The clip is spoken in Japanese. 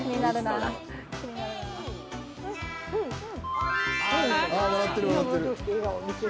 ああ笑ってる笑ってる。